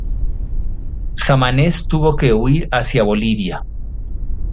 Samanez tuvo que huir hacia Bolivia.